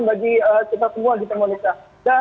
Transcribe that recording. lantaran memang keselamatan bagi kita semua di tengah malaysia